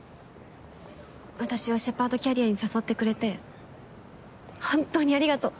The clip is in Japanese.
私をシェパードキャリアに誘ってくれて本当にありがとう。